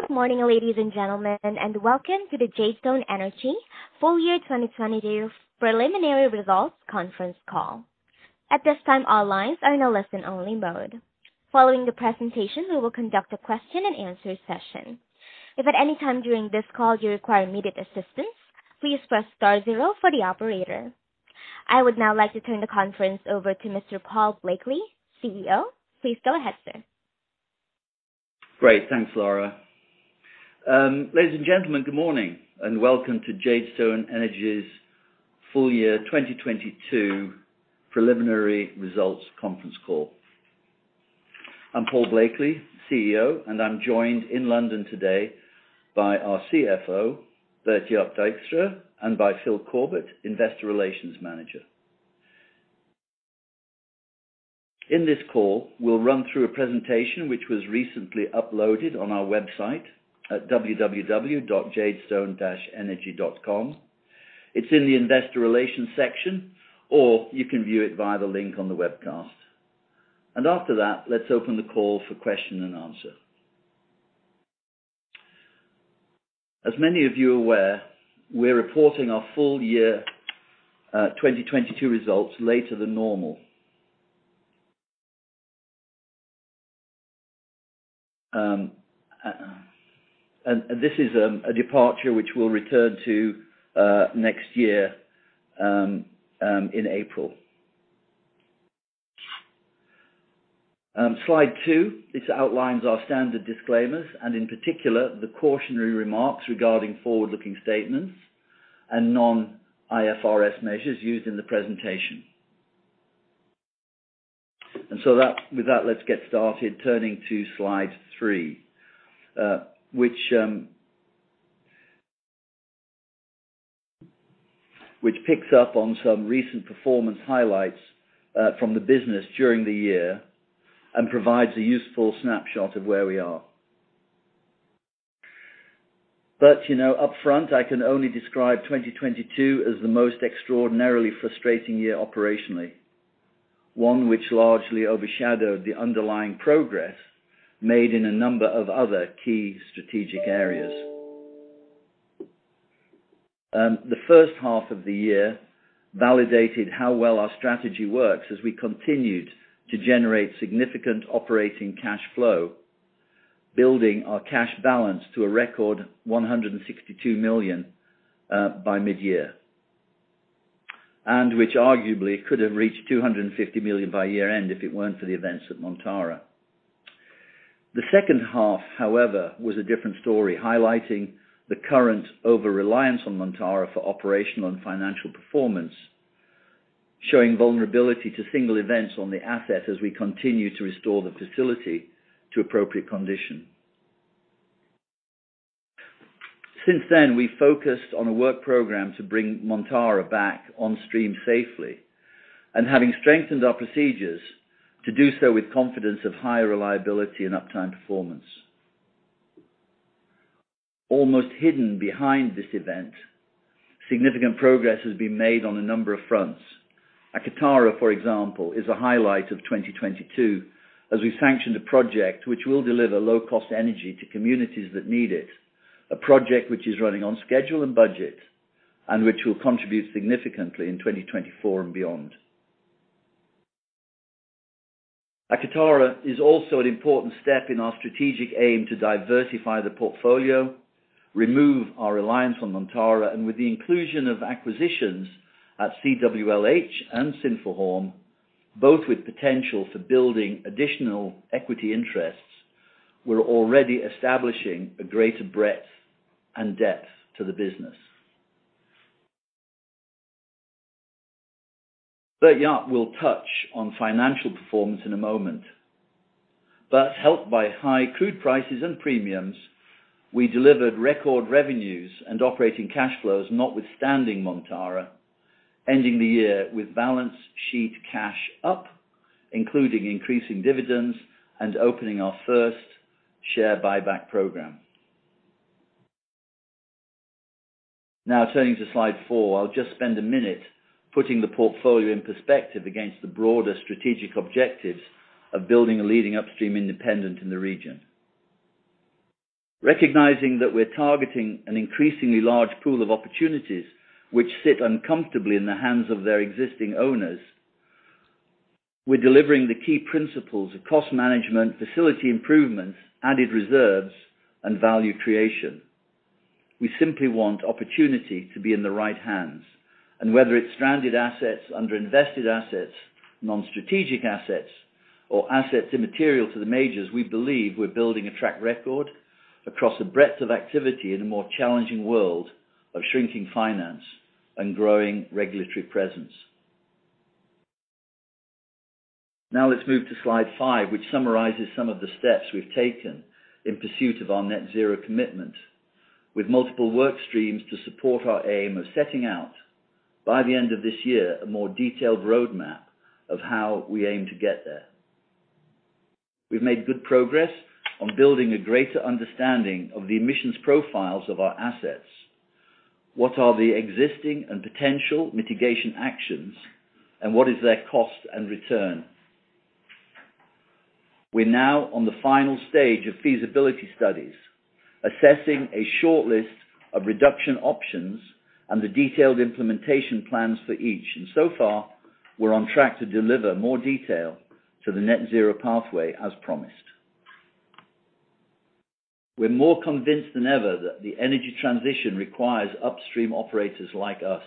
Good morning, ladies and gentlemen, and welcome to the Jadestone Energy Full Year 2022 Preliminary Results Conference Call. At this time, all lines are in a listen-only mode. Following the presentation, we will conduct a question-and-answer session. If at any time during this call you require immediate assistance, please press star zero for the operator. I would now like to turn the conference over to Mr. Paul Blakeley, CEO. Please go ahead, sir. Great. Thanks, Laura. Ladies and gentlemen, good morning, and welcome to Jadestone Energy's Full Year 2022 Preliminary Results Conference Call. I'm Paul Blakeley, CEO, and I'm joined in London today by our CFO, Bert-Jaap Dijkstra, and by Phil Corbett, Investor Relations Manager. In this call, we'll run through a presentation which was recently uploaded on our website at www.jadestone-energy.com. It's in the investor relations section, or you can view it via the link on the webcast. After that, let's open the call for question and answer. As many of you are aware, we're reporting our full year 2022 results later than normal. This is a departure which we'll return to next year in April. Slide two. This outlines our standard disclaimers and, in particular, the cautionary remarks regarding forward-looking statements and non-IFRS measures used in the presentation. With that, let's get started, turning to slide three, which picks up on some recent performance highlights from the business during the year and provides a useful snapshot of where we are. You know, upfront, I can only describe 2022 as the most extraordinarily frustrating year operationally. One which largely overshadowed the underlying progress made in a number of other key strategic areas. The first half of the year validated how well our strategy works as we continued to generate significant operating cash flow, building our cash balance to a record $162 million by mid-year, and which arguably could have reached $250 million by year-end if it weren't for the events at Montara. The second half, however, was a different story, highlighting the current over-reliance on Montara for operational and financial performance, showing vulnerability to single events on the asset as we continue to restore the facility to appropriate condition. Since then, we focused on a work program to bring Montara back on stream safely, and having strengthened our procedures to do so with confidence of higher reliability and uptime performance. Almost hidden behind this event, significant progress has been made on a number of fronts. Akatara, for example, is a highlight of 2022, as we sanctioned a project which will deliver low-cost energy to communities that need it. A project which is running on schedule and budget and which will contribute significantly in 2024 and beyond. Akatara is also an important step in our strategic aim to diversify the portfolio, remove our reliance on Montara, and with the inclusion of acquisitions at CWLH and Sinphuhorm, both with potential for building additional equity interests, we're already establishing a greater breadth and depth to the business. Bert-Jaap will touch on financial performance in a moment. Helped by high crude prices and premiums, we delivered record revenues and operating cash flows notwithstanding Montara, ending the year with balance sheet cash up, including increasing dividends and opening our first share buyback program. Turning to slide four. I'll just spend a minute putting the portfolio in perspective against the broader strategic objectives of building a leading upstream independent in the region. Recognizing that we're targeting an increasingly large pool of opportunities which sit uncomfortably in the hands of their existing owners, we're delivering the key principles of cost management, facility improvements, added reserves, and value creation. We simply want opportunity to be in the right hands. Whether it's stranded assets, under-invested assets, non-strategic assets, or assets immaterial to the majors, we believe we're building a track record across the breadth of activity in a more challenging world of shrinking finance and growing regulatory presence. Let's move to slide five, which summarizes some of the steps we've taken in pursuit of our Net Zero commitment with multiple work streams to support our aim of setting out, by the end of this year, a more detailed roadmap of how we aim to get there. We've made good progress on building a greater understanding of the emissions profiles of our assets. What are the existing and potential mitigation actions, and what is their cost and return? We're now on the final stage of feasibility studies, assessing a short list of reduction options and the detailed implementation plans for each. So far, we're on track to deliver more detail to the Net Zero pathway as promised. We're more convinced than ever that the energy transition requires upstream operators like us,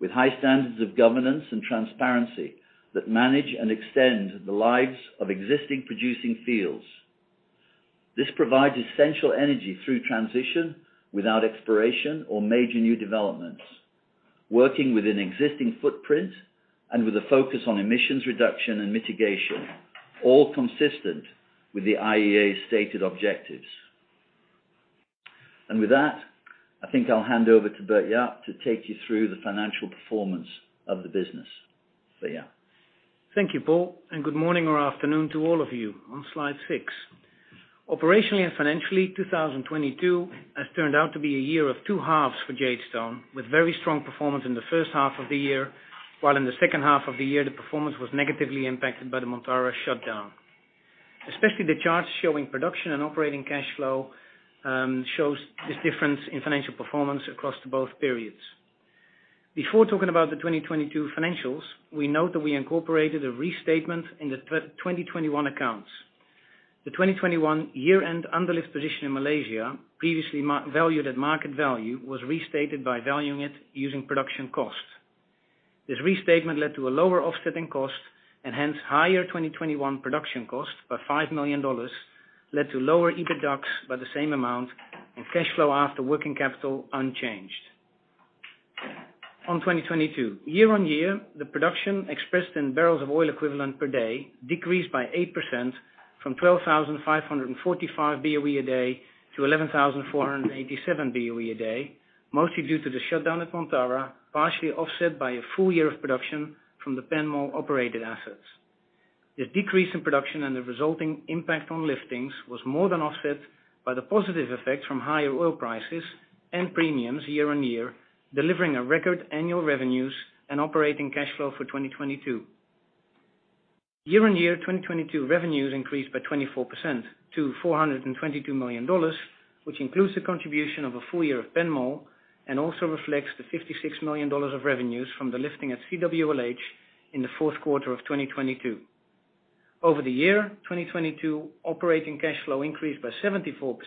with high standards of governance and transparency, that manage and extend the lives of existing producing fields. This provides essential energy through transition without exploration or major new developments, working with an existing footprint and with a focus on emissions reduction and mitigation, all consistent with the IEA's stated objectives. With that, I think I'll hand over to Bert-Jaap to take you through the financial performance of the business. Bert-Jaap. Thank you, Paul. Good morning or afternoon to all of you. On slide six, operationally and financially, 2022 has turned out to be a year of two halves for Jadestone, with very strong performance in the first half of the year, while in the second half of the year, the performance was negatively impacted by the Montara shutdown. Especially the charts showing production and operating cash flow shows this difference in financial performance across the both periods. Before talking about the 2022 financials, we note that we incorporated a restatement in the 2021 accounts. The 2021 year-end underlift position in Malaysia, previously valued at market value, was restated by valuing it using production cost. This restatement led to a lower offsetting cost, hence higher 2021 production cost by $5 million, led to lower EBITDAX by the same amount, cash flow after working capital unchanged. On 2022, year-on-year, the production expressed in barrels of oil equivalent per day decreased by 8% from 12,545 BOE a day to 11,487 BOE a day, mostly due to the shutdown at Montara, partially offset by a full year of production from the Panmure-operated assets. The decrease in production and the resulting impact on liftings was more than offset by the positive effects from higher oil prices and premiums year-over-year, delivering a record annual revenues and operating cash flow for 2022. Year-on-year, 2022 revenues increased by 24% to $422 million, which includes the contribution of a full year of Panmure and also reflects the $56 million of revenues from the lifting at CWLH in the fourth quarter of 2022. Over the year, 2022 operating cash flow increased by 74%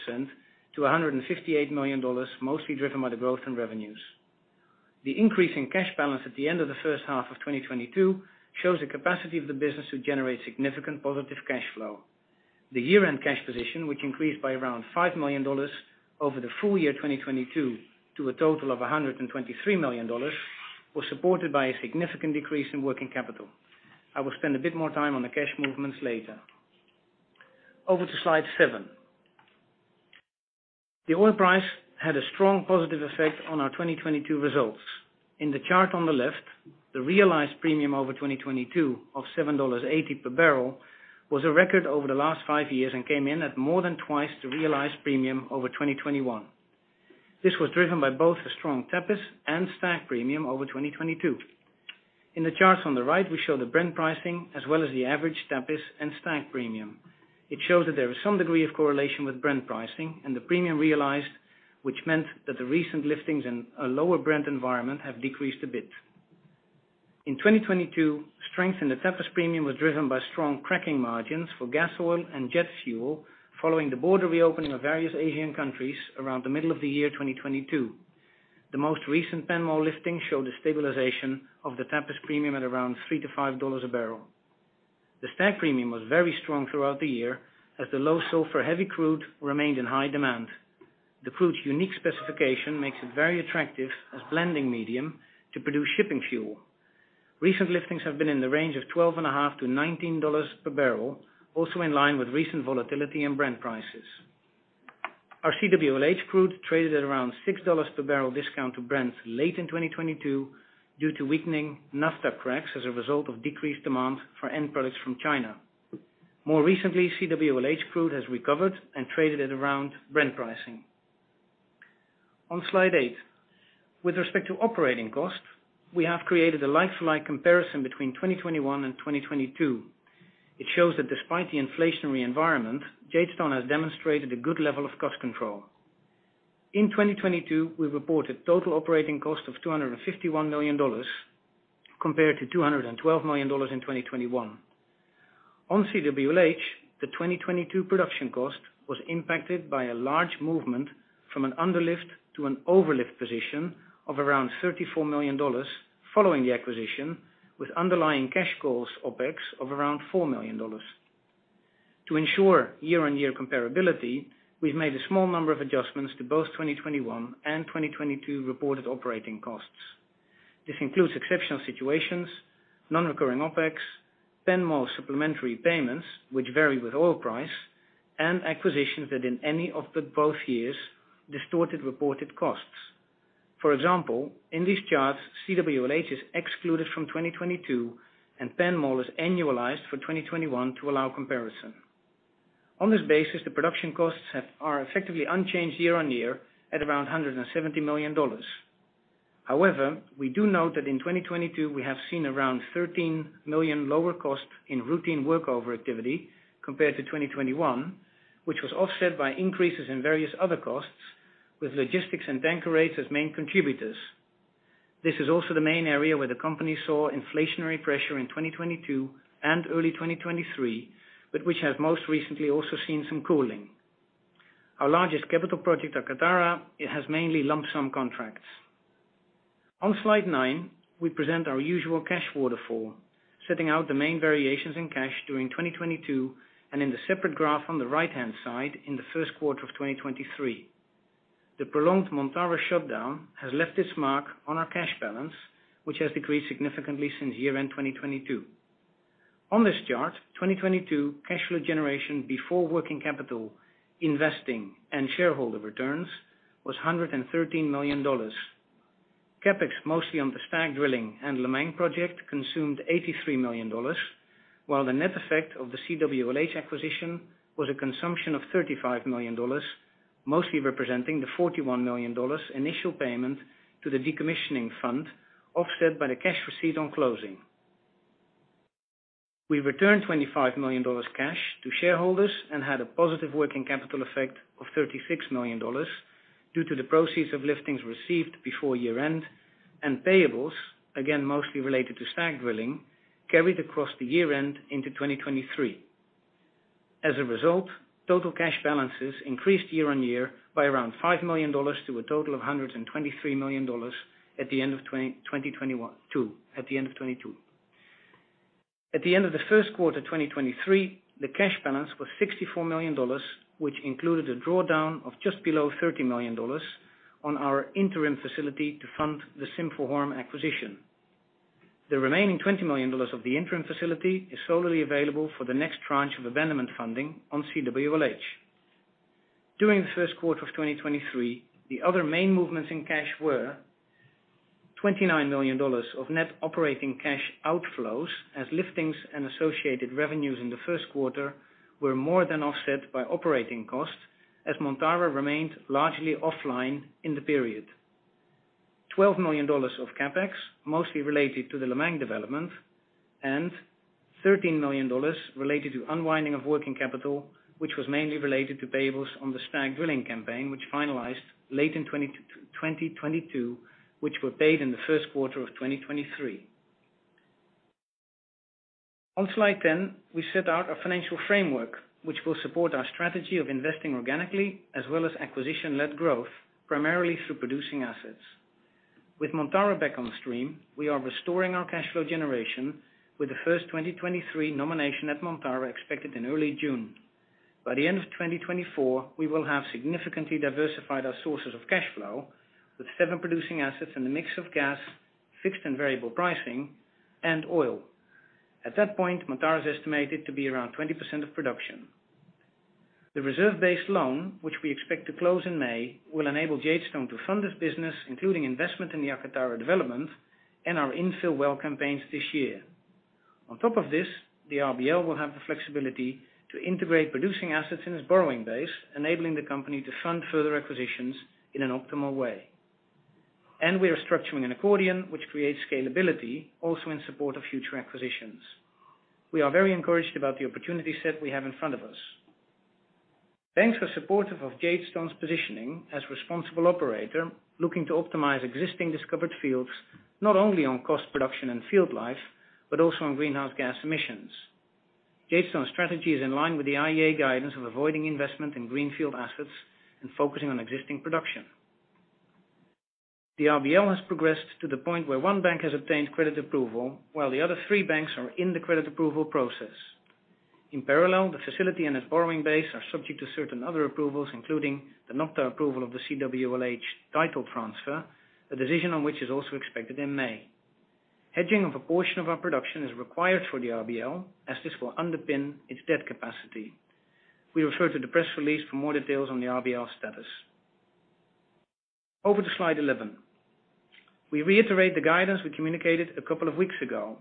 to $158 million, mostly driven by the growth in revenues. The increase in cash balance at the end of the first half of 2022 shows the capacity of the business to generate significant positive cash flow. The year-end cash position, which increased by around $5 million over the full year 2022 to a total of $123 million, was supported by a significant decrease in working capital. I will spend a bit more time on the cash movements later. Over to slide seven. The oil price had a strong positive effect on our 2022 results. In the chart on the left, the realized premium over 2022 of $7.80 per barrel was a record over the last five years and came in at more than twice the realized premium over 2021. This was driven by both the strong Tapis and Stag premium over 2022. In the charts on the right, we show the Brent pricing as well as the average Tapis and Stag premium. It shows that there is some degree of correlation with Brent pricing and the premium realized, which meant that the recent liftings in a lower Brent environment have decreased a bit. In 2022, strength in the Tapis premium was driven by strong cracking margins for gas oil and jet fuel following the border reopening of various Asian countries around the middle of the year 2022. The most recent Panmure listing showed a stabilization of the Tapis premium at around $3-$5 a barrel. The Stag premium was very strong throughout the year as the low sulfur heavy crude remained in high demand. The crude's unique specification makes it very attractive as blending medium to produce shipping fuel. Recent liftings have been in the range of $12.50-$19 per barrel, also in line with recent volatility and Brent prices. Our CWLH crude traded at around $6 per barrel discount to Brent late in 2022 due to weakening Naphtha cracks as a result of decreased demand for end products from China. More recently, CWLH crude has recovered and traded at around Brent pricing. On slide eight. With respect to operating costs, we have created a like-for-like comparison between 2021 and 2022. It shows that despite the inflationary environment, Jadestone has demonstrated a good level of cost control. In 2022, we reported total operating cost of $251 million compared to $212 million in 2021. On CWLH, the 2022 production cost was impacted by a large movement from an underlift to an overlift position of around $34 million following the acquisition with underlying cash calls OpEx of around $4 million. To ensure year-over-year comparability, we've made a small number of adjustments to both 2021 and 2022 reported operating costs. This includes exceptional situations, non-recurring OpEx, Panmure supplementary payments, which vary with oil price, and acquisitions that in any of the both years distorted reported costs. For example, in these charts, CWLH is excluded from 2022, and Panmure is annualized for 2021 to allow comparison. On this basis, the production costs are effectively unchanged year on year at around $170 million. However, we do note that in 2022, we have seen around $13 million lower costs in routine workover activity compared to 2021, which was offset by increases in various other costs with logistics and banker rates as main contributors. This is also the main area where the company saw inflationary pressure in 2022 and early 2023, but which has most recently also seen some cooling. Our largest capital project at Akatara, it has mainly lump sum contracts. On slide nine, we present our usual cash waterfall, setting out the main variations in cash during 2022 and in the separate graph on the right-hand side in the first quarter of 2023. The prolonged Montara shutdown has left its mark on our cash balance, which has decreased significantly since year-end 2022. On this chart, 2022 cash flow generation before working capital investing and shareholder returns was $113 million. CapEx, mostly on the Stag drilling and Lemang project, consumed $83 million, while the net effect of the CWLH acquisition was a consumption of $35 million, mostly representing the $41 million initial payment to the decommissioning fund, offset by the cash received on closing. We returned $25 million cash to shareholders and had a positive working capital effect of $36 million due to the proceeds of liftings received before year-end, and payables, again, mostly related to Stag drilling, carried across the year-end into 2023. As a result, total cash balances increased year-on-year by around $5 million to a total of $123 million at the end of 2022. At the end of the first quarter, 2023, the cash balance was $64 million, which included a drawdown of just below $30 million on our interim facility to fund the Sinphuhorm acquisition. The remaining $20 million of the interim facility is solely available for the next tranche of abandonment funding on CWLH. During the first quarter of 2023, the other main movements in cash were $29 million of net operating cash outflows as liftings and associated revenues in the first quarter were more than offset by operating costs as Montara remained largely offline in the period. $12 million of CapEx, mostly related to the Lemang development, and $13 million related to unwinding of working capital, which was mainly related to payables on the Stag drilling campaign, which finalized late in 2022, which were paid in the first quarter of 2023. On slide 10, we set out our financial framework, which will support our strategy of investing organically as well as acquisition-led growth, primarily through producing assets. With Montara back on stream, we are restoring our cash flow generation with the first 2023 nomination at Montara expected in early June. By the end of 2024, we will have significantly diversified our sources of cash flow with seven producing assets in the mix of gas, fixed and variable pricing, and oil. At that point, Montara is estimated to be around 20% of production. The reserve-based loan, which we expect to close in May, will enable Jadestone to fund its business, including investment in the Akatara development and our infill well campaigns this year. On top of this, the RBL will have the flexibility to integrate producing assets in its borrowing base, enabling the company to fund further acquisitions in an optimal way. We are structuring an accordion, which creates scalability also in support of future acquisitions. We are very encouraged about the opportunity set we have in front of us. Banks are supportive of Jadestone's positioning as responsible operator looking to optimize existing discovered fields, not only on cost production and field life, but also on greenhouse gas emissions. Jadestone's strategy is in line with the IEA guidance of avoiding investment in greenfield assets and focusing on existing production. The RBL has progressed to the point where one bank has obtained credit approval while the other three banks are in the credit approval process. In parallel, the facility and its borrowing base are subject to certain other approvals, including the NOPTA approval of the CWLH title transfer, a decision on which is also expected in May. Hedging of a portion of our production is required for the RBL as this will underpin its debt capacity. We refer to the press release for more details on the RBL status. Over to slide 11. We reiterate the guidance we communicated a couple of weeks ago.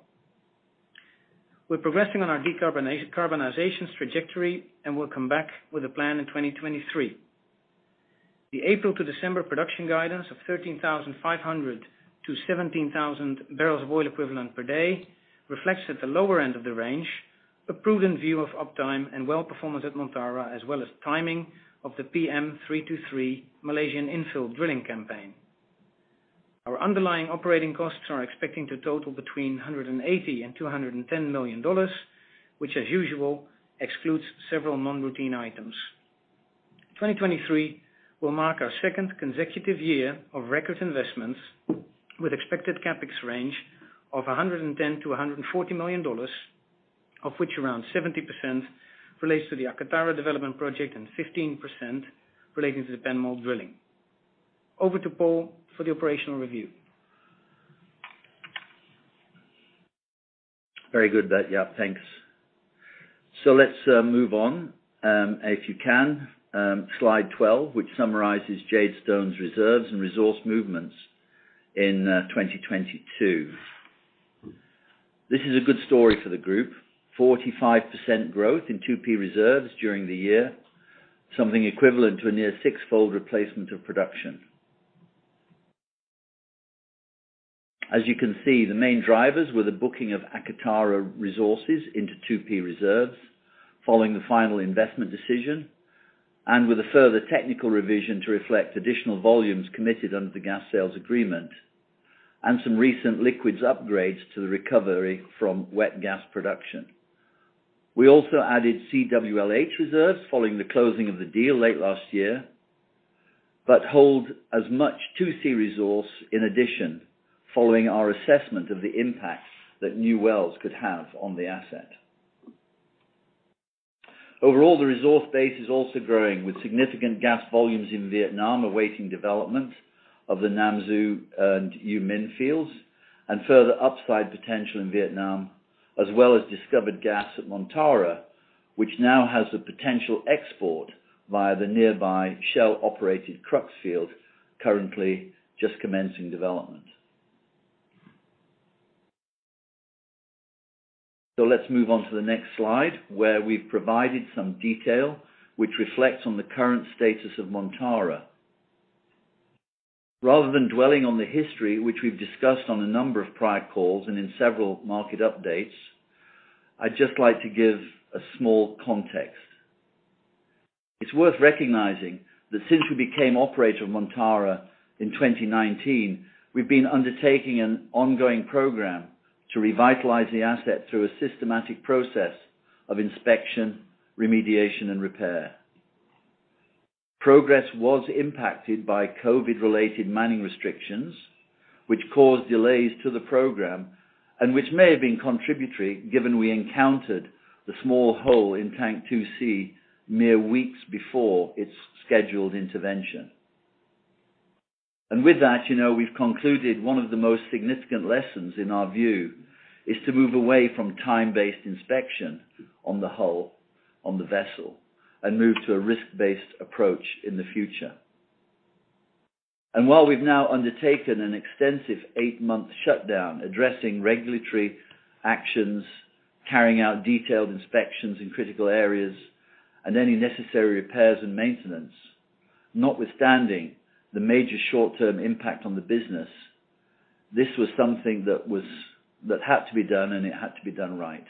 We're progressing on our decarbonization's trajectory, and we'll come back with a plan in 2023. The April to December production guidance of 13,500-17,000 barrels of oil equivalent per day reflects at the lower end of the range, a prudent view of uptime and well performance at Montara, as well as timing of the PM323 Malaysian infill drilling campaign. Our underlying operating costs are expecting to total between $180 million and $210 million, which as usual, excludes several non-routine items. 2023 will mark our second consecutive year of record investments with expected CapEx range of $110 million-$140 million, of which around 70% relates to the Akatara development project and 15% relating to the Panmure drilling. Over to Paul for the operational review. Very good, Bert, yeah. Thanks. Let's move on, if you can, slide 12, which summarizes Jadestone's reserves and resource movements in 2022. This is a good story for the group. 45% growth in 2P reserves during the year, something equivalent to a near six-fold replacement of production. As you can see, the main drivers were the booking of Akatara resources into 2P reserves following the final investment decision, and with a further technical revision to reflect additional volumes committed under the gas sales agreement and some recent liquids upgrades to the recovery from wet gas production. We also added CWLH reserves following the closing of the deal late last year, but hold as much 2C resource in addition following our assessment of the impact that new wells could have on the asset. Overall, the resource base is also growing with significant gas volumes in Vietnam, awaiting development of the Nam Du and U Minh fields, and further upside potential in Vietnam, as well as discovered gas at Montara, which now has the potential export via the nearby Shell-operated Crux field, currently just commencing development. Let's move on to the next slide, where we've provided some detail which reflects on the current status of Montara. Rather than dwelling on the history, which we've discussed on a number of prior calls and in several market updates, I'd just like to give a small context. It's worth recognizing that since we became operator of Montara in 2019, we've been undertaking an ongoing program to revitalize the asset through a systematic process of inspection, remediation, and repair. Progress was impacted by COVID-related manning restrictions, which caused delays to the program and which may have been contributory given we encountered the small hole in tank 2C mere weeks before its scheduled intervention. With that, you know, we've concluded one of the most significant lessons, in our view, is to move away from time-based inspection on the hull, on the vessel, and move to a risk-based approach in the future. While we've now undertaken an extensive eight-month shutdown addressing regulatory actions, carrying out detailed inspections in critical areas and any necessary repairs and maintenance, notwithstanding the major short-term impact on the business, this was something that had to be done, and it had to be done right.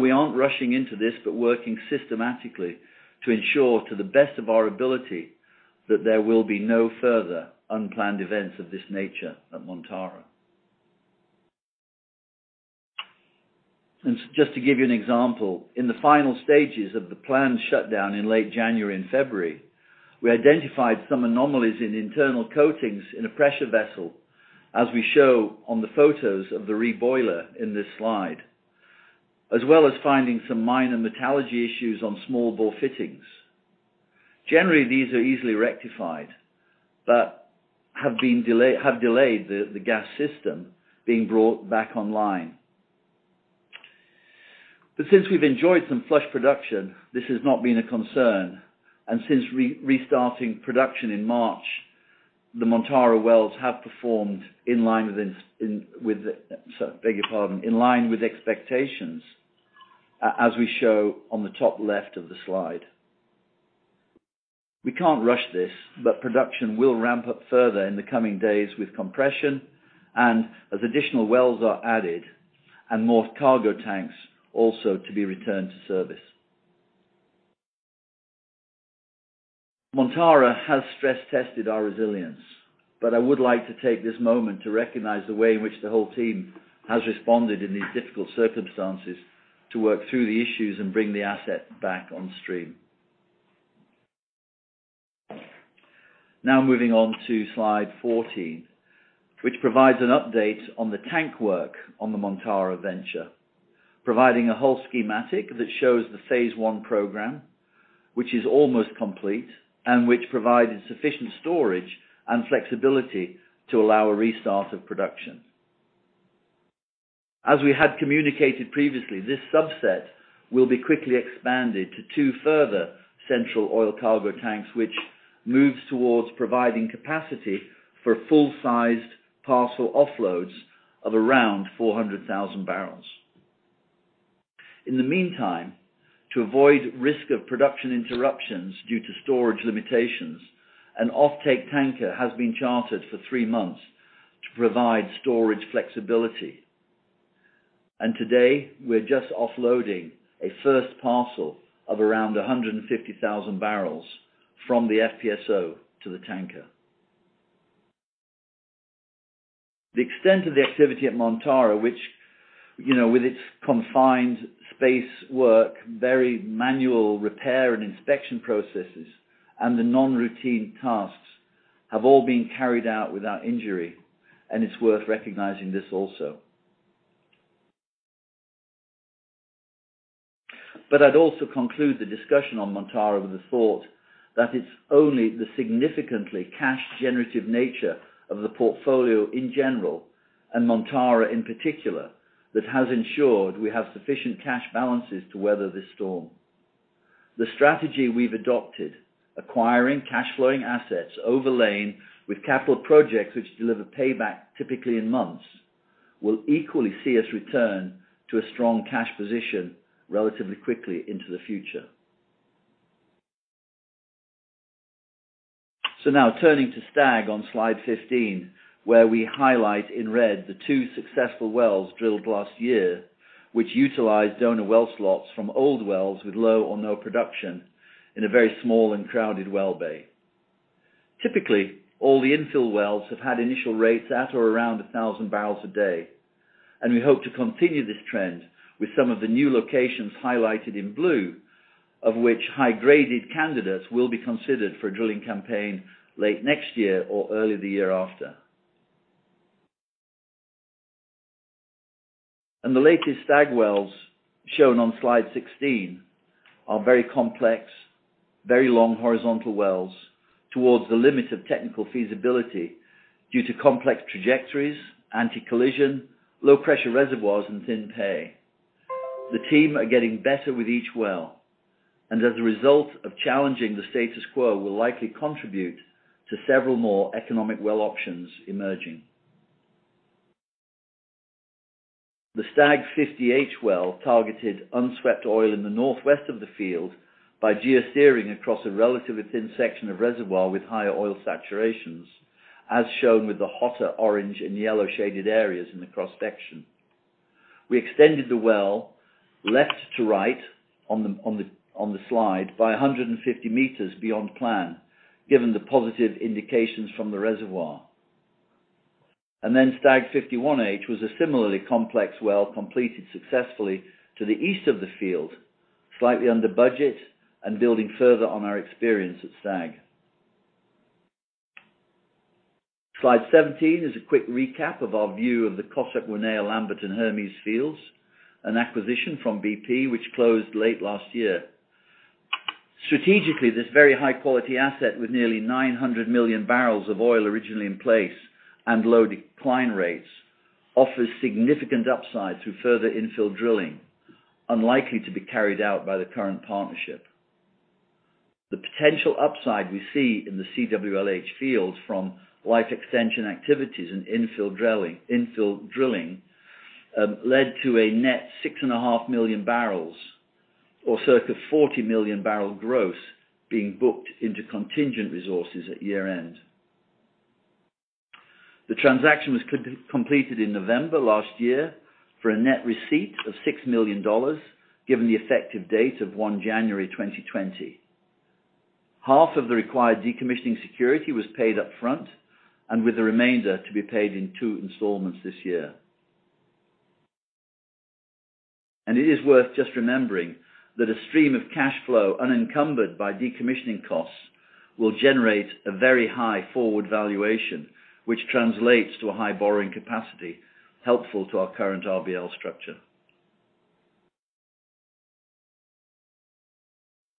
We aren't rushing into this, but working systematically to ensure to the best of our ability that there will be no further unplanned events of this nature at Montara. Just to give you an example, in the final stages of the planned shutdown in late January and February, we identified some anomalies in internal coatings in a pressure vessel, as we show on the photos of the reboiler in this slide, as well as finding some minor metallurgy issues on small bore fittings. Generally, these are easily rectified but have delayed the gas system being brought back online. Since we've enjoyed some flush production, this has not been a concern. Since re-restoring production in March, the Montara wells have performed in line with, sorry, beg your pardon. In line with expectations, as we show on the top left of the slide. We can't rush this, but production will ramp up further in the coming days with compression and as additional wells are added and more cargo tanks also to be returned to service. Montara has stress-tested our resilience, I would like to take this moment to recognize the way in which the whole team has responded in these difficult circumstances to work through the issues and bring the asset back on stream. Moving on to slide 14, which provides an update on the tank work on the Montara Venture, providing a whole schematic that shows the phase one program, which is almost complete and which provided sufficient storage and flexibility to allow a restart of production. As we had communicated previously, this subset will be quickly expanded to two further central oil cargo tanks, which moves towards providing capacity for full-sized parcel offloads of around 400,000 barrels. In the meantime, to avoid risk of production interruptions due to storage limitations, an off-take tanker has been chartered for three months to provide storage flexibility. Today, we're just offloading a first parcel of around 150,000 barrels from the FPSO to the tanker. The extent of the activity at Montara, which, you know, with its confined space work, very manual repair and inspection processes and the non-routine tasks, have all been carried out without injury, and it's worth recognizing this also. I'd also conclude the discussion on Montara with a thought that it's only the significantly cash generative nature of the portfolio in general, and Montara in particular, that has ensured we have sufficient cash balances to weather this storm. The strategy we've adopted, acquiring cash flowing assets overlain with capital projects which deliver payback typically in months, will equally see us return to a strong cash position relatively quickly into the future. Now turning to Stag on slide 15, where we highlight in red the two successful wells drilled last year, which utilized donor well slots from old wells with low or no production in a very small and crowded well bay. Typically, all the infill wells have had initial rates at or around 1,000 barrels a day. We hope to continue this trend with some of the new locations highlighted in blue, of which high-graded candidates will be considered for drilling campaign late next year or early the year after. The latest Stag wells, shown on slide 16, are very complex, very long horizontal wells towards the limit of technical feasibility due to complex trajectories, anti-collision, low pressure reservoirs and thin pay. The team are getting better with each well. As a result of challenging the status quo, will likely contribute to several more economic well options emerging. The Stag-50H well targeted unswept oil in the northwest of the field by geosteering across a relatively thin section of reservoir with higher oil saturations, as shown with the hotter orange and yellow shaded areas in the cross-section. We extended the well left to right on the slide by 150 m beyond plan, given the positive indications from the reservoir. Stag-51H was a similarly complex well completed successfully to the east of the field, slightly under budget and building further on our experience at Stag. Slide 17 is a quick recap of our view of the Cossack, Wanaea, Lambert, and Hermes fields, an acquisition from BP, which closed late last year. Strategically, this very high-quality asset with nearly 900 million barrels of oil originally in place and low decline rates, offers significant upside through further infill drilling, unlikely to be carried out by the current partnership. The potential upside we see in the CWLH fields from life extension activities and infill drilling led to a net 6.5 million barrels or circa 40 million barrel gross being booked into contingent resources at year-end. The transaction was completed in November last year for a net receipt of $6 million, given the effective date of January 2020. Half of the required decommissioning security was paid up front and with the remainder to be paid in two installments this year. It is worth just remembering that a stream of cash flow unencumbered by decommissioning costs will generate a very high forward valuation, which translates to a high borrowing capacity, helpful to our current RBL structure.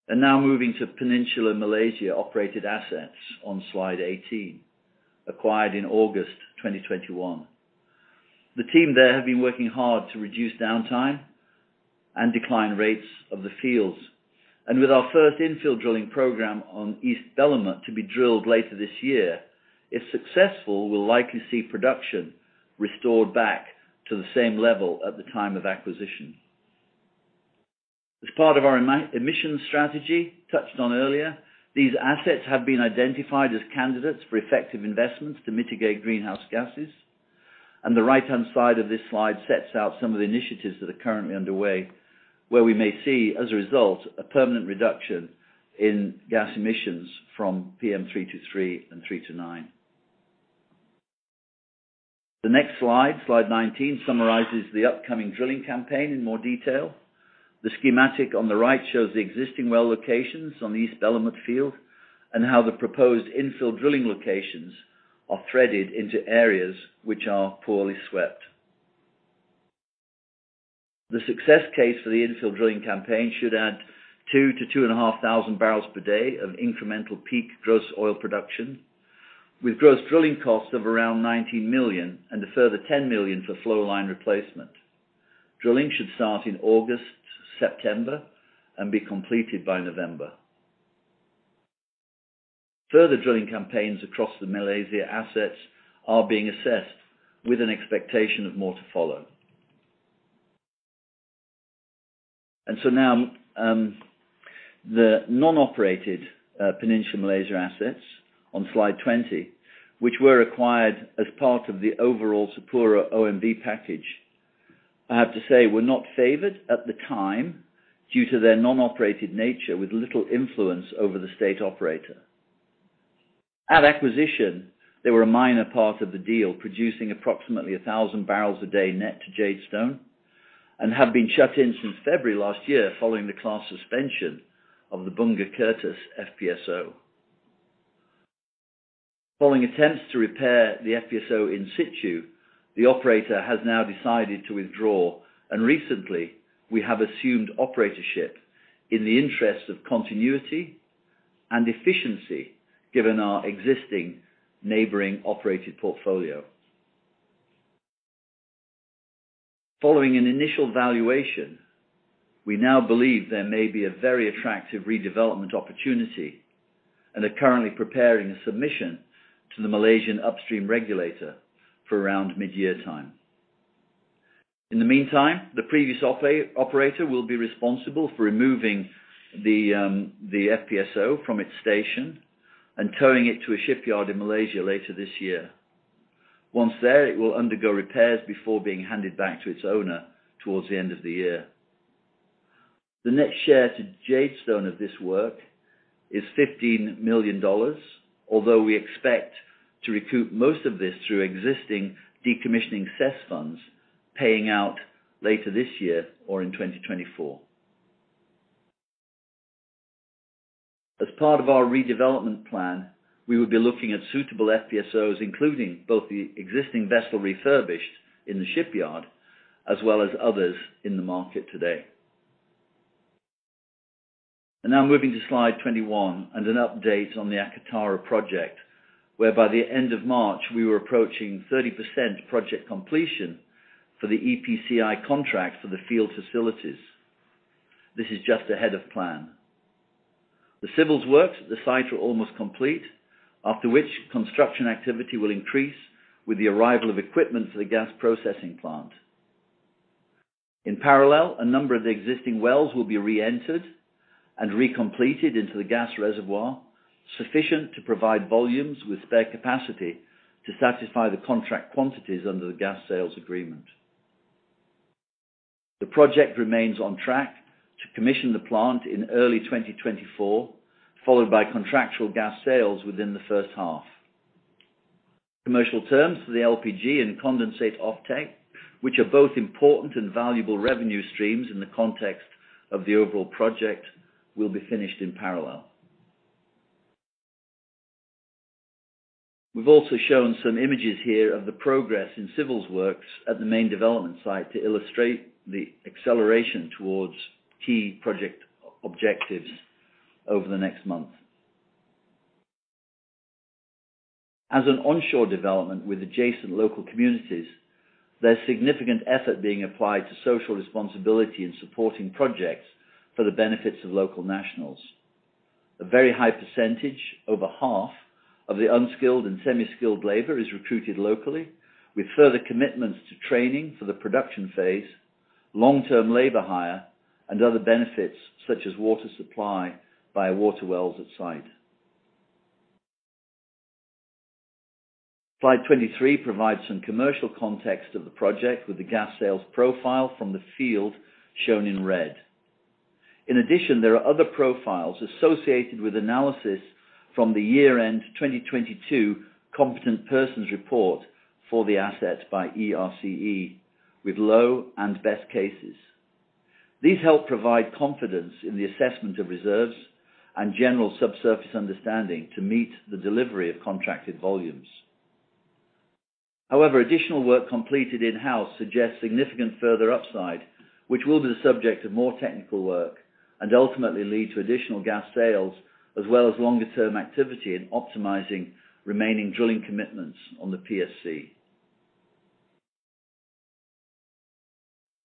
Now moving to Peninsular Malaysia operated assets on slide 18, acquired in August 2021. The team there have been working hard to reduce downtime and decline rates of the fields. With our first infill drilling program on East Belumut to be drilled later this year, if successful, we'll likely see production restored back to the same level at the time of acquisition. As part of our emission strategy touched on earlier, these assets have been identified as candidates for effective investments to mitigate greenhouse gases. The right-hand side of this slide sets out some of the initiatives that are currently underway, where we may see, as a result, a permanent reduction in gas emissions from PM323 and 329. The next slide 19, summarizes the upcoming drilling campaign in more detail. The schematic on the right shows the existing well locations on the East Belumut field and how the proposed infill drilling locations are threaded into areas which are poorly swept. The success case for the infill drilling campaign should add 2,000-2,500 barrels per day of incremental peak gross oil production, with gross drilling costs of around $19 million and a further $10 million for flow line replacement. Drilling should start in August, September and be completed by November. Further drilling campaigns across the Malaysia assets are being assessed with an expectation of more to follow. Now, the non-operated Peninsular Malaysia assets on slide 20, which were acquired as part of the overall SapuraOMV package, I have to say, were not favored at the time due to their non-operated nature with little influence over the state operator. At acquisition, they were a minor part of the deal, producing approximately 1,000 barrels a day net to Jadestone and have been shut in since February last year following the class suspension of the Bunga Kertas FPSO. Following attempts to repair the FPSO in situ, the operator has now decided to withdraw. Recently, we have assumed operatorship in the interest of continuity and efficiency given our existing neighboring operated portfolio. Following an initial valuation, we now believe there may be a very attractive redevelopment opportunity and are currently preparing a submission to the Malaysian upstream regulator for around mid-year time. In the meantime, the previous operator will be responsible for removing the FPSO from its station and towing it to a shipyard in Malaysia later this year. Once there, it will undergo repairs before being handed back to its owner towards the end of the year. The next share to Jadestone of this work is $15 million, although we expect to recoup most of this through existing decommissioning cess funds paying out later this year or in 2024. Now moving to slide 21 and an update on the Akatara project, where by the end of March we were approaching 30% project completion for the EPCI contract for the field facilities. This is just ahead of plan. The civils works at the site are almost complete, after which construction activity will increase with the arrival of equipment for the gas processing plant. In parallel, a number of the existing wells will be re-entered and recompleted into the gas reservoir, sufficient to provide volumes with spare capacity to satisfy the contract quantities under the gas sales agreement. The project remains on track to commission the plant in early 2024, followed by contractual gas sales within the first half. Commercial terms for the LPG and condensate offtake, which are both important and valuable revenue streams in the context of the overall project, will be finished in parallel. We've also shown some images here of the progress in civils works at the main development site to illustrate the acceleration towards key project objectives over the next month. An onshore development with adjacent local communities, there's significant effort being applied to social responsibility in supporting projects for the benefits of local nationals. A very high percentage, over half, of the unskilled and semi-skilled labor is recruited locally, with further commitments to training for the production phase, long-term labor hire, and other benefits such as water supply via water wells at site. Slide 23 provides some commercial context of the project with the gas sales profile from the field shown in red. In addition, there are other profiles associated with analysis from the year-end 2022 competent persons report for the assets by ERCE with low and best cases. These help provide confidence in the assessment of reserves and general subsurface understanding to meet the delivery of contracted volumes. However, additional work completed in-house suggests significant further upside, which will be the subject of more technical work and ultimately lead to additional gas sales as well as longer-term activity in optimizing remaining drilling commitments on the PSC.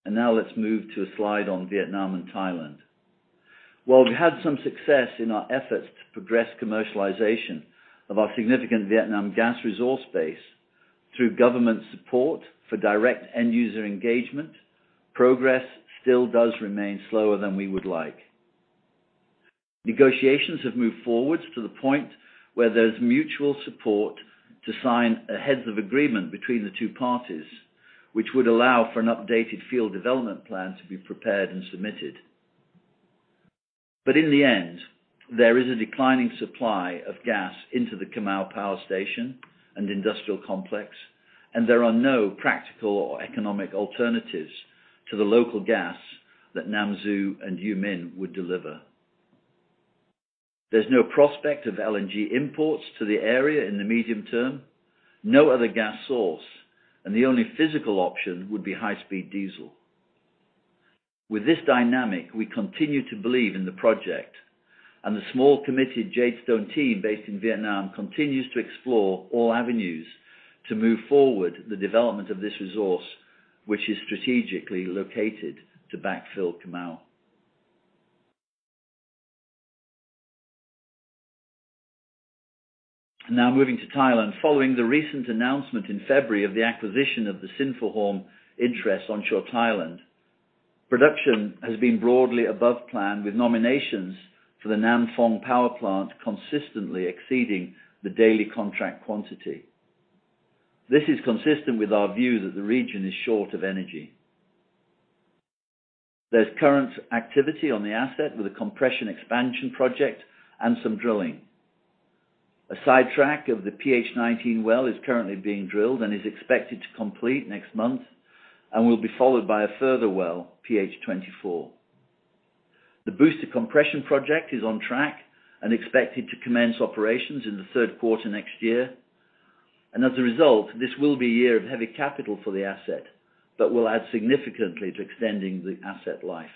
Now let's move to a slide on Vietnam and Thailand. While we had some success in our efforts to progress commercialization of our significant Vietnam gas resource base through government support for direct end user engagement, progress still does remain slower than we would like. Negotiations have moved forward to the point where there's mutual support to sign a heads of agreement between the two parties, which would allow for an updated field development plan to be prepared and submitted. In the end, there is a declining supply of gas into the Cà Mau Power Station and industrial complex, and there are no practical or economic alternatives to the local gas that Nam Du and U Minh would deliver. There's no prospect of LNG imports to the area in the medium term, no other gas source, and the only physical option would be high-speed diesel. With this dynamic, we continue to believe in the project and the small committed Jadestone team based in Vietnam continues to explore all avenues to move forward the development of this resource which is strategically located to backfill Cà Mau. Moving to Thailand. Following the recent announcement in February of the acquisition of the Sinphuhorm interest onshore Thailand, production has been broadly above plan with nominations for the Nam Phong power plant consistently exceeding the daily contract quantity. This is consistent with our view that the region is short of energy. There's current activity on the asset with a compression expansion project and some drilling. A sidetrack of the PH-19 well is currently being drilled and is expected to complete next month and will be followed by a further well, PH-24. The booster compression project is on track and expected to commence operations in the third quarter next year. As a result, this will be a year of heavy capital for the asset, but will add significantly to extending the asset life.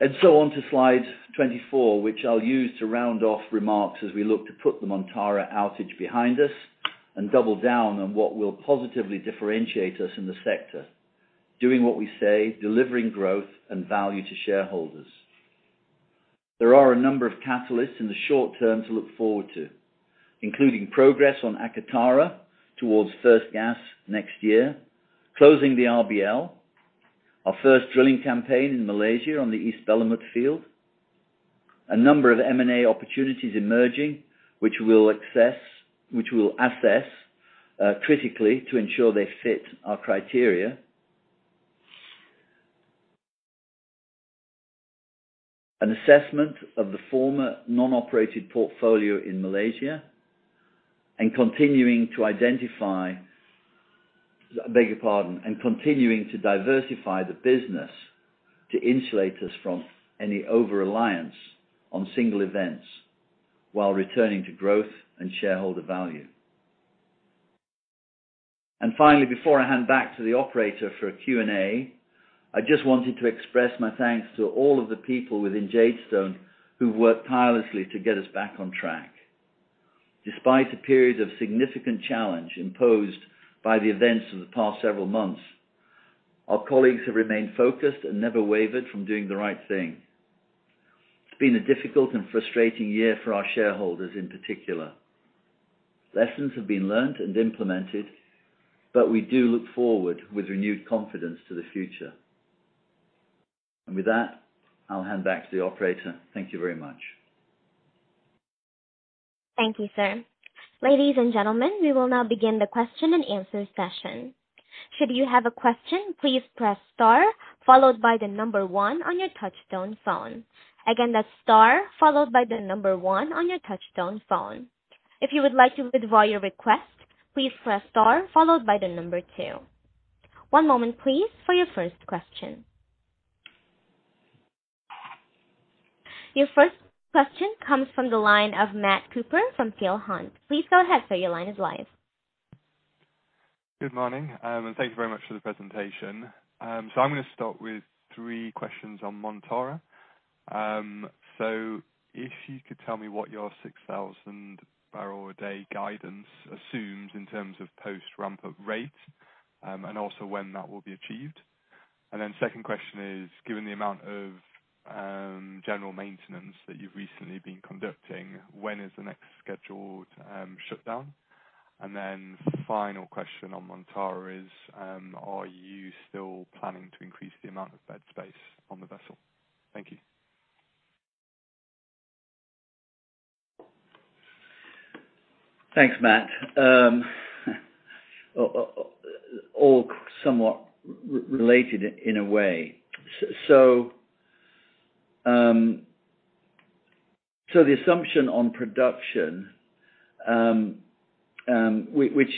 On to slide 24, which I'll use to round off remarks as we look to put the Montara outage behind us and double down on what will positively differentiate us in the sector, doing what we say, delivering growth and value to shareholders. There are a number of catalysts in the short term to look forward to, including progress on Akatara towards first gas next year, closing the RBL, our first drilling campaign in Malaysia on the East Belumut field. A number of M&A opportunities emerging which we'll assess critically to ensure they fit our criteria. An assessment of the former non-operated portfolio in Malaysia. I beg your pardon. Continuing to diversify the business to insulate us from any over-reliance on single events while returning to growth and shareholder value. Finally, before I hand back to the operator for a Q&A, I just wanted to express my thanks to all of the people within Jadestone who worked tirelessly to get us back on track. Despite the periods of significant challenge imposed by the events of the past several months, our colleagues have remained focused and never wavered from doing the right thing. It's been a difficult and frustrating year for our shareholders in particular. Lessons have been learned and implemented, but we do look forward with renewed confidence to the future. With that, I'll hand back to the operator. Thank you very much. Thank you, sir. Ladies and gentlemen, we will now begin the question-and-answer session. Should you have a question, please press star followed by the number one on your touchtone phone. Again, that's star followed by the number one on your touchtone phone. If you would like to withdraw your request, please press star followed by the number two. One moment please for your first question. Your first question comes from the line of Matt Cooper from Peel Hunt. Please go ahead, sir. Your line is live. Good morning, and thank you very much for the presentation. I'm gonna start with three questions on Montara. If you could tell me what your 6,000 barrel a day guidance assumes in terms of post ramp-up rates, and also when that will be achieved. Second question is, given the amount of general maintenance that you've recently been conducting, when is the next scheduled shutdown? Final question on Montara is, are you still planning to increase the amount of bed space on the vessel? Thank you. Thanks, Matt. All somewhat related in a way. The assumption on production, which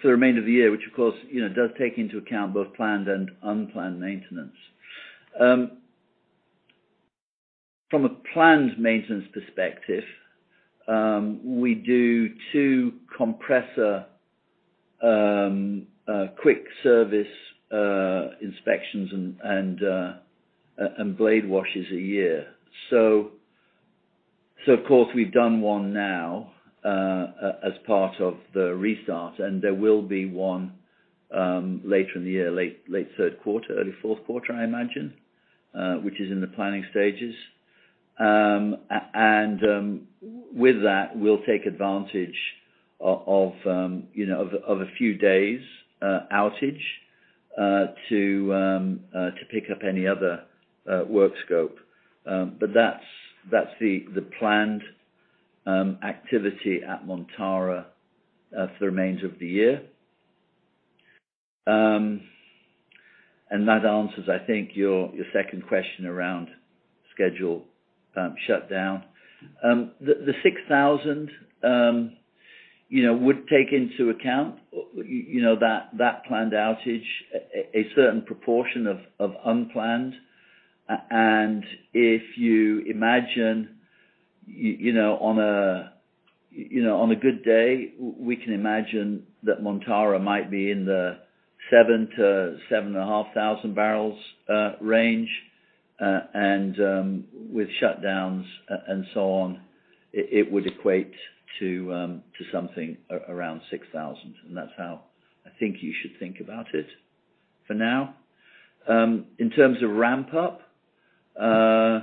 for the remainder of the year, which of course, you know, does take into account both planned and unplanned maintenance. From a planned maintenance perspective, we do two compressor quick service inspections and blade washes a year. Of course, we've done one now as part of the restart, and there will be one later in the year, late third quarter, early fourth quarter, I imagine, which is in the planning stages. With that, we'll take advantage of, you know, a few days' outage to pick up any other work scope. That's the planned activity at Montara for the remains of the year. That answers, I think, your second question around schedule shutdown. The 6,000, you know, would take into account, you know, that planned outage, a certain proportion of unplanned. If you imagine, you know, on a good day, we can imagine that Montara might be in the 7,000-7,500 barrels range. With shutdowns and so on, it would equate to something around 6,000. That's how I think you should think about it for now. In terms of ramp up, we're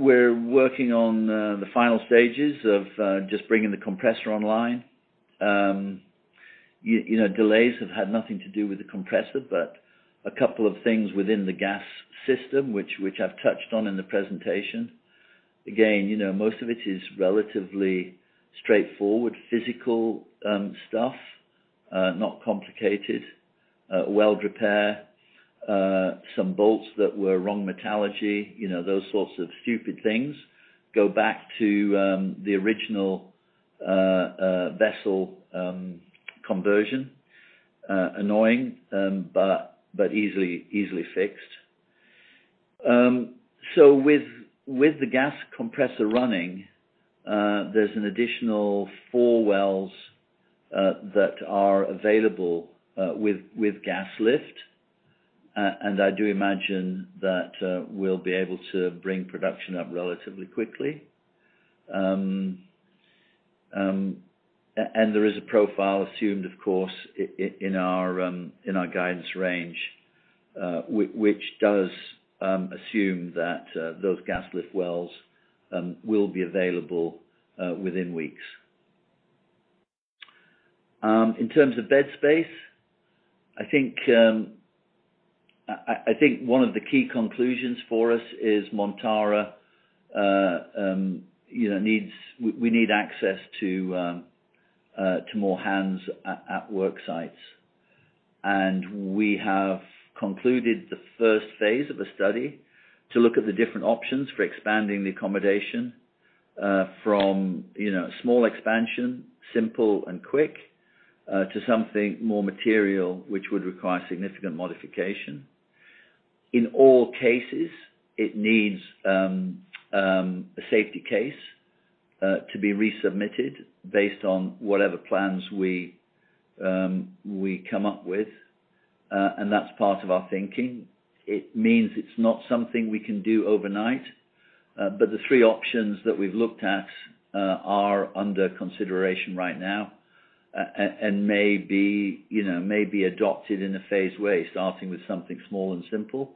working on the final stages of just bringing the compressor online. You know, delays have had nothing to do with the compressor, but a couple of things within the gas system which I've touched on in the presentation. Again, you know, most of it is relatively straightforward physical stuff, not complicated. Weld repair, some bolts that were wrong metallurgy, you know, those sorts of stupid things. Go back to the original vessel conversion. Annoying, but easily fixed. With the gas compressor running, there's an additional four wells that are available with gas lift. I do imagine that we'll be able to bring production up relatively quickly. There is a profile assumed, of course, in our guidance range, which does assume that those gas lift wells will be available within weeks. In terms of bed space, I think one of the key conclusions for us is Montara, you know, we need access to more hands at work sites. We have concluded the first phase of a study to look at the different options for expanding the accommodation, from, you know, small expansion, simple and quick, to something more material, which would require significant modification. In all cases, it needs a safety case to be resubmitted based on whatever plans we come up with. That's part of our thinking. It means it's not something we can do overnight. The three options that we've looked at, are under consideration right now and may be, you know, may be adopted in a phased way, starting with something small and simple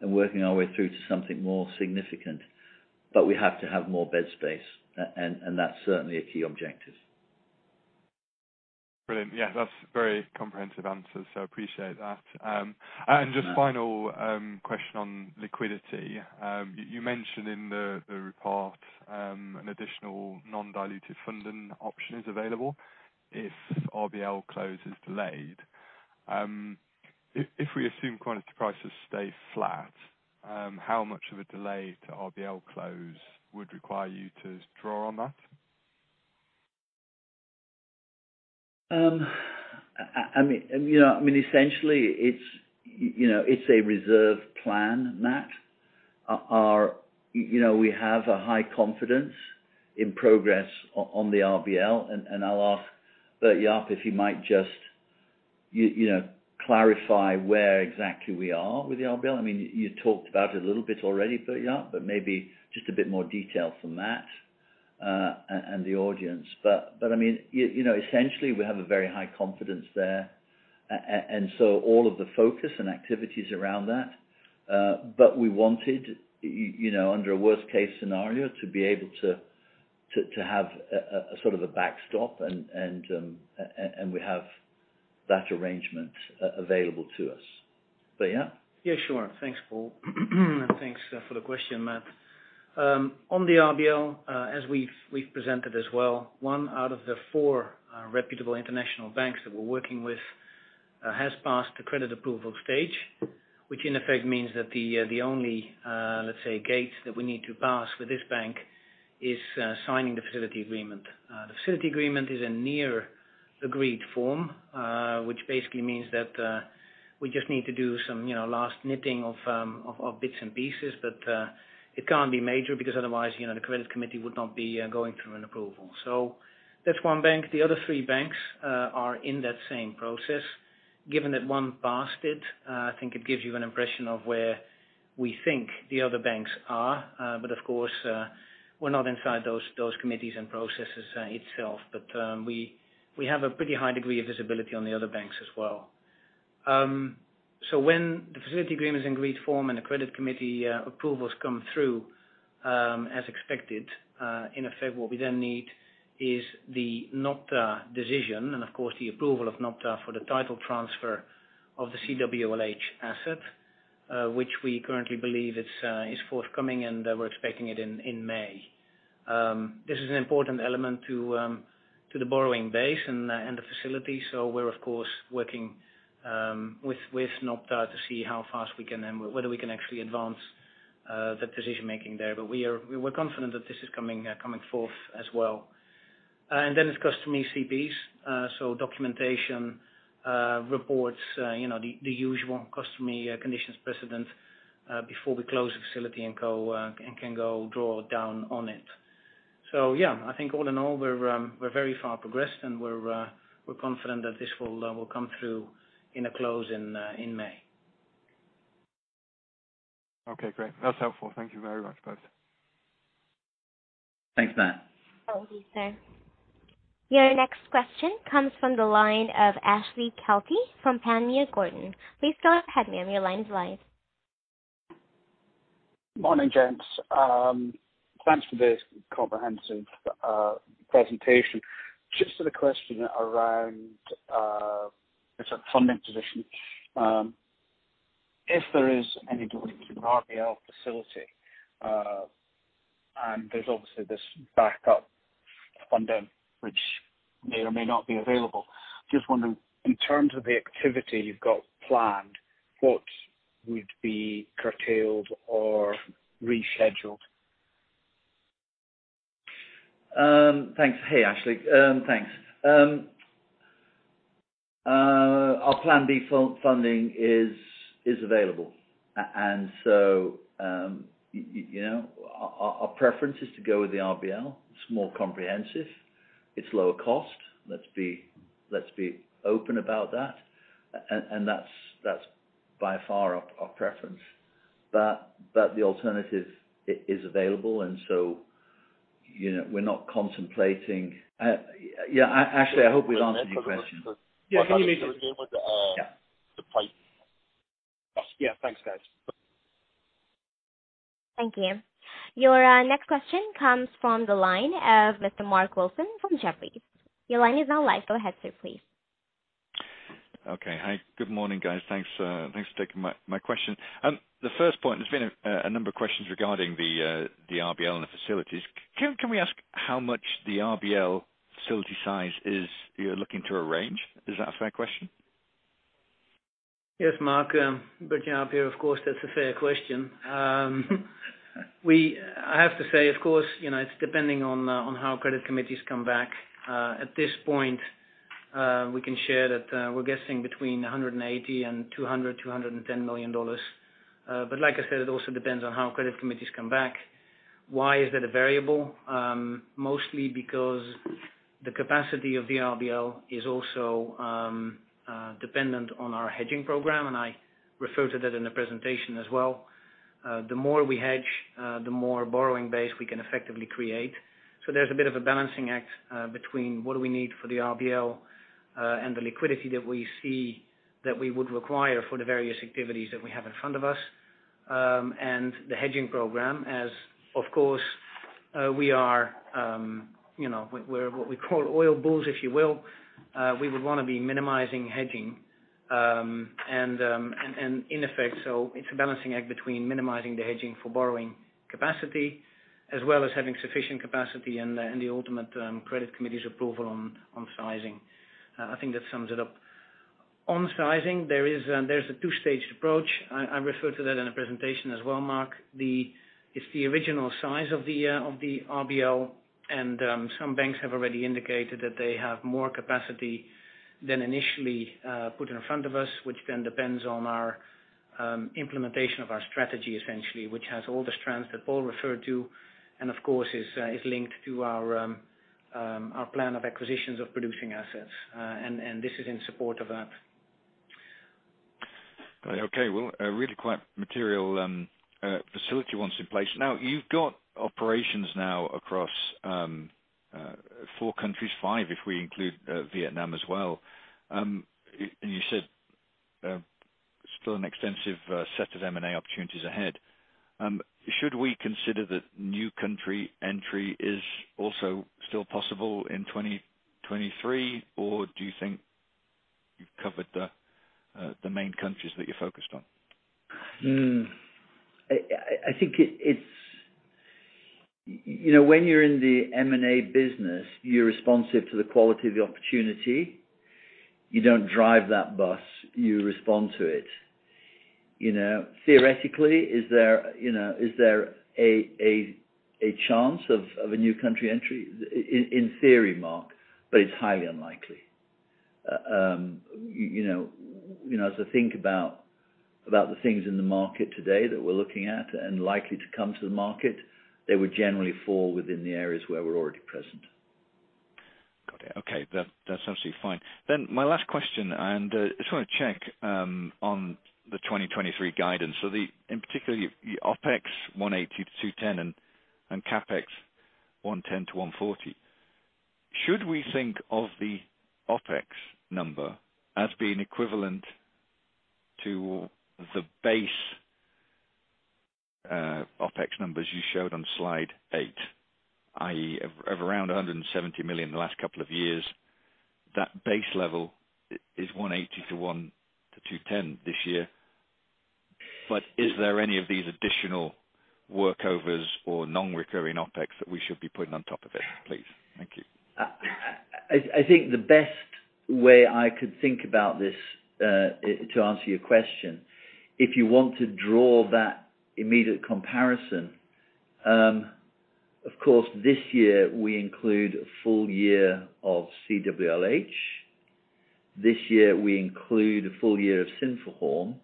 and working our way through to something more significant. We have to have more bed space. And that's certainly a key objective. Brilliant. Yeah, that's very comprehensive answers. Appreciate that. Just final question on liquidity. You mentioned in the report an additional non-dilutive funding option is available if RBL close is delayed. If we assume commodity prices stay flat, how much of a delay to RBL close would require you to draw on that? I mean, you know, I mean, essentially it's, you know, it's a reserve plan, Matt. You know, we have a high confidence in progress on the RBL. I'll ask Bert-Jaap if he might just, you know, clarify where exactly we are with the RBL. I mean, you talked about it a little bit already, Bert-Jaap, but maybe just a bit more detail from that, and the audience. I mean, you know, essentially we have a very high confidence there. All of the focus and activity is around that. We wanted, you know, under a worst case scenario, to be able to have a sort of a backstop. We have that arrangement available to us. Bert-Jaap? Yeah, sure. Thanks, Paul. Thanks for the question, Matt. On the RBL, as we've presented as well, one out of the four reputable international banks that we're working with has passed the credit approval stage, which in effect means that the only, let's say gates that we need to pass with this bank is signing the facility agreement. The facility agreement is in near agreed form, which basically means that we just need to do some, you know, last knitting of bits and pieces. It can't be major because otherwise, you know, the credit committee would not be going through an approval. That's one bank. The other three banks are in that same process. Given that one passed it, I think it gives you an impression of where we think the other banks are. Of course, we're not inside those committees and processes itself. We have a pretty high degree of visibility on the other banks as well. When the facility agreement is in agreed form, and the credit committee approvals come through, as expected, in effect, what we then need is the NOPTA decision and of course, the approval of NOPTA for the title transfer of the CWLH asset, which we currently believe it's forthcoming, and we're expecting it in May. This is an important element to the borrowing base and the facility. We're of course working with NOPTA to see how fast we can actually advance the decision making there. We're confident that this is coming forth as well. It's customary CPs, so documentation, reports, you know, the usual customary conditions precedent before we close the facility and can go draw down on it. Yeah, I think all in all, we're very far progressed and we're confident that this will come through in a close in May. Okay, great. That's helpful. Thank you very much, both. Thanks, Matt. Thank you, sir. Your next question comes from the line of Ashley Kelty from Panmure Gordon. Please go ahead, ma'am. Your line's live. Morning, gents. Thanks for this comprehensive presentation. Just had a question around the funding position. If there is any delay to the RBL facility, and there's obviously this backup funding which may or may not be available. Just wondering, in terms of the activity you've got planned, what would be curtailed or rescheduled? Thanks. Hey, Ashley. Thanks. Our Plan B funding is available. You know, our preference is to go with the RBL. It's more comprehensive. It's lower cost. Let's be open about that. That's by far our preference. The alternative is available, you know, we're not contemplating. Yeah. Ashley, I hope we've answered your question. Yeah. Can you hear me, sir? Yeah. The pipe. Yeah, thanks guys. Thank you. Your next question comes from the line of Mr. Mark Wilson from Jefferies. Your line is now live. Go ahead, sir, please. Okay. Hi. Good morning, guys. Thanks, thanks for taking my question. The first point, there's been a number of questions regarding the RBL and the facilities. Can we ask how much the RBL facility size is you're looking to arrange? Is that a fair question? Yes, Mark, bridging up here, of course, that's a fair question. I have to say, of course, you know, it's depending on how credit committees come back. At this point, we can share that we're guessing between $180 million and $210 million. Like I said, it also depends on how credit committees come back. Why is that a variable? Mostly because the capacity of the RBL is also dependent on our hedging program, I refer to that in the presentation as well. The more we hedge, the more borrowing base we can effectively create. There's a bit of a balancing act between what do we need for the RBL and the liquidity that we see that we would require for the various activities that we have in front of us, and the hedging program as, of course, we are, you know, we're what we call oil bulls, if you will. We would wanna be minimizing hedging, and in effect, it's a balancing act between minimizing the hedging for borrowing capacity as well as having sufficient capacity and the ultimate credit committee's approval on sizing. I think that sums it up. On sizing, there's a two-stage approach. I referred to that in the presentation as well, Mark. The It's the original size of the RBL, and some banks have already indicated that they have more capacity than initially put in front of us, which then depends on our implementation of our strategy, essentially, which has all the strands that Paul referred to, and of course, is linked to our plan of acquisitions of producing assets. This is in support of that. Okay. Well, a really quite material facility once in place. Now, you've got operations now across four countries, five, if we include Vietnam as well. And you said, still an extensive set of M&A opportunities ahead. Should we consider that new country entry is also still possible in 2023, or do you think you've covered the main countries that you're focused on? I think it's. You know, when you're in the M&A business, you're responsive to the quality of the opportunity. You don't drive that bus. You respond to it. You know, theoretically, is there, you know, is there a chance of a new country entry? In theory, Mark, but it's highly unlikely. You know, as I think about the things in the market today that we're looking at and likely to come to the market, they would generally fall within the areas where we're already present. Got it. Okay. That's absolutely fine. My last question, just wanna check on the 2023 guidance. In particular, the OpEx, $180 million-$210 million, and CapEx, $110 million-$140 million. Should we think of the OpEx number as being equivalent to the base OpEx numbers you showed on slide right, i.e., of around $170 million the last couple of years? That base level is $180 million-$210 million this year. Is there any of these additional workovers or non-recurring OpEx that we should be putting on top of it, please? Thank you. I think the best way I could think about this to answer your question, if you want to draw that immediate comparison, of course, this year we include a full year of CWLH. This year we include a full year of Sinphuhorm,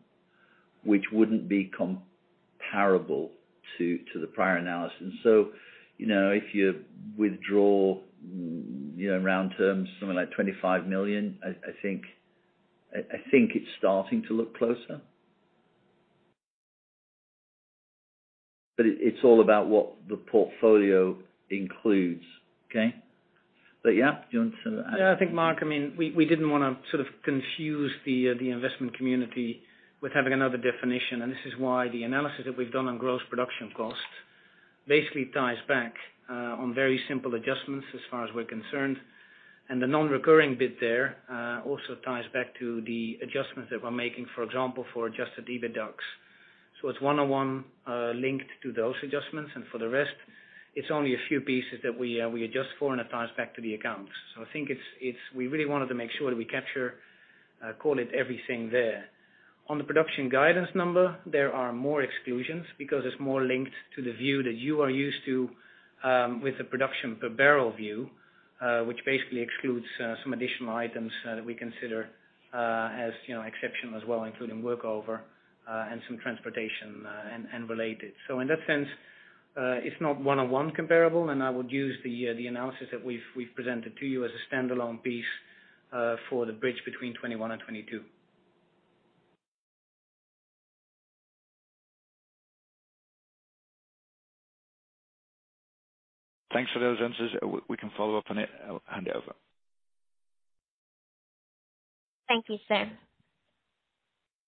which wouldn't be comparable to the prior analysis. You know, if you withdraw, you know, in round terms, something like $25 million, I think it's starting to look closer. It's all about what the portfolio includes. Okay? Bert-Jaap, do you want to add? Yeah, I think, Mark, I mean, we didn't wanna sort of confuse the investment community with having another definition, and this is why the analysis that we've done on gross production costs basically ties back on very simple adjustments as far as we're concerned. The non-recurring bit there also ties back to the adjustments that we're making, for example, for adjusted EBITDAX. It's one-on-one linked to those adjustments. For the rest, it's only a few pieces that we adjust for, and it ties back to the accounts. I think it's we really wanted to make sure that we capture call it everything there. On the production guidance number, there are more exclusions because it's more linked to the view that you are used to, with the production per barrel view, which basically excludes some additional items, that we consider as, you know, exceptional as well, including work over, and some transportation, and related. In that sense, it's not one-on-one comparable, and I would use the analysis that we've presented to you as a standalone piece, for the bridge between 2021 and 2022. Thanks for those answers. We can follow up on it. I'll hand it over. Thank you, sir.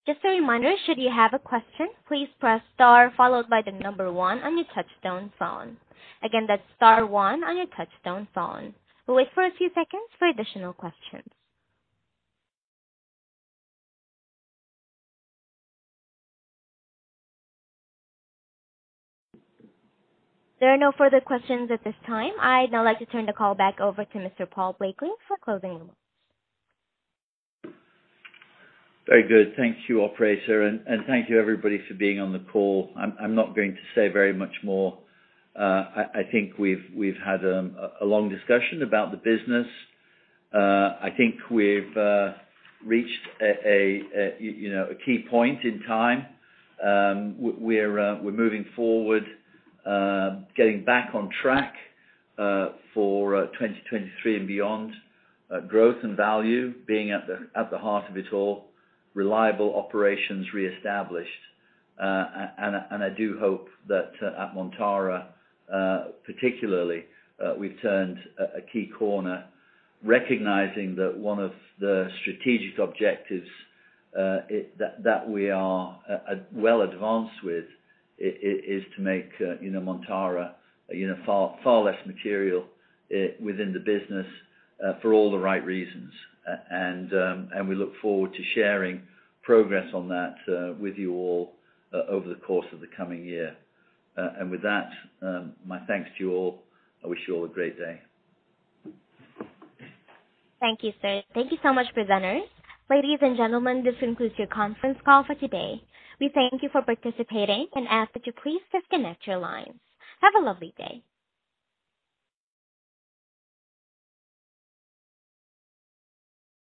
Just a reminder, should you have a question, please press star followed by the number one on your touchtone phone. Again, that's star one on your touchtone phone. We'll wait for a few seconds for additional questions. There are no further questions at this time. I'd now like to turn the call back over to Mr. Paul Blakeley for closing remarks. Very good. Thank you, operator. Thank you, everybody, for being on the call. I'm not going to say very much more. I think we've had a long discussion about the business. I think we've reached a, you know, a key point in time. We're moving forward, getting back on track, for 2023 and beyond. Growth and value being at the heart of it all. Reliable operations reestablished. And I do hope that, at Montara, particularly, we've turned a key corner, recognizing that one of the strategic objectives that we are well advanced with is to make, you know, Montara, you know, far less material within the business for all the right reasons. We look forward to sharing progress on that, with you all, over the course of the coming year. With that, my thanks to you all. I wish you all a great day. Thank you, sir. Thank you so much, presenters. Ladies and gentlemen, this concludes your conference call for today. We thank you for participating and ask that you please disconnect your lines. Have a lovely day.